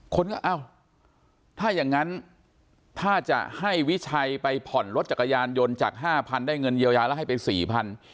เขาบอกว่าอ้าวถ้าอย่างนั้นถ้าจะให้วิชัยไปผ่อนรถจักรยานยนต์จาก๕๐๐๐บาทได้เงินเยียวยานแล้วให้ไป๔๐๐๐บาท